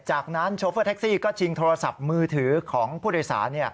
จากนั้นโชเฟอร์แท็กซี่ก็ชิงโทรศัพท์มือถือของผู้โดยสาร